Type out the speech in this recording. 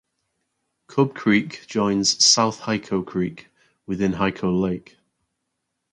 Cub Creek joins South Hyco Creek within Hyco Lake.